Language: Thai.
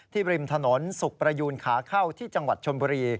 ริมถนนสุขประยูนขาเข้าที่จังหวัดชนบุรี